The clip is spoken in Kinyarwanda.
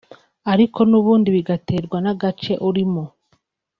ariko n’ubundi bigaterwa n’agace urimo